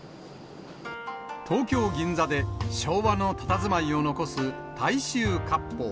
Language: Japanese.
東京・銀座で、昭和のたたずまいを残す大衆かっぽう。